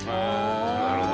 なるほど。